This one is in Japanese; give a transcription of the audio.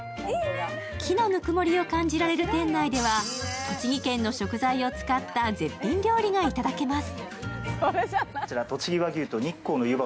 木のぬくもりを感じられる店内では栃木県の食材を使った絶品料理がいただけます。